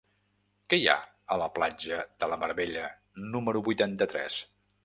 Què hi ha a la platja de la Mar Bella número vuitanta-tres?